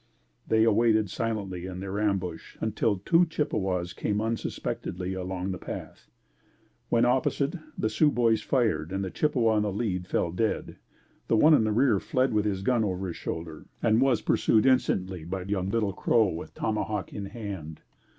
They awaited silently in their ambush until two Chippewas came unsuspectedly along the path. When opposite, the Sioux boys fired and the Chippewa in the lead fell dead. The one in the rear fled with his gun over his shoulder and was pursued instantly by young Little Crow with tomahawk in hand.